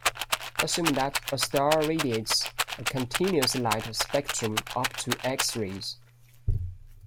Assume that a star radiates a continuous light spectrum up to X rays.